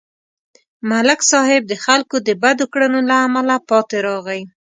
ملک صاحب د خلکو د بدو کړنو له امله پاتې راغی.